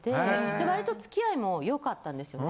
で割と付き合いも良かったんですよね。